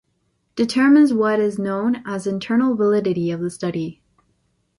Determines what is known as internal validity of the study.